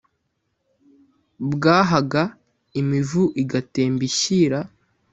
bwahaga, imivu igatemba ishyira